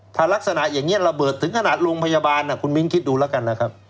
ถ้ารักษณะอย่างนี้ระเบิดถึงขนาดโรงพยาบาลคุณมิ้นคิดดูแล้วกันนะครับ